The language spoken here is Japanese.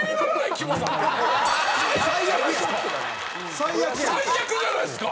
最悪じゃないですか！